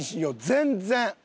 全然。